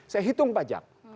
saya hitung pajak